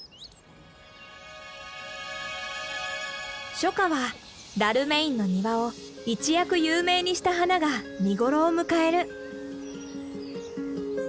初夏はダルメインの庭を一躍有名にした花が見頃を迎える。